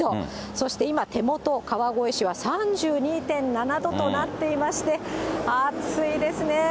そして今、手元、川越市は３２．７度となっていまして、暑いですね。